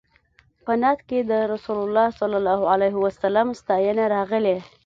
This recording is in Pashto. په نعت کې د رسول الله صلی الله علیه وسلم ستاینه راغلې.